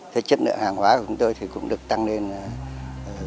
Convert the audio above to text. thế chất lượng hàng hóa của chúng tôi thì cũng được tăng lên rất là tốt